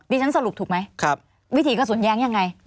ดิฉันสรุปถูกไหมวิถีกระสุนแย้งอย่างไรครับ